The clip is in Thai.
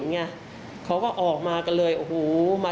สวัสดีคุณผู้ชายสวัสดีคุณผู้ชาย